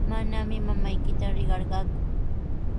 Manami mamaykita riqarqaaku.